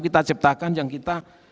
kita ciptakan yang kita